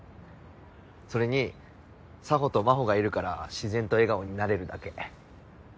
それに佐帆と真帆がいるから自然と笑顔になれるだけ。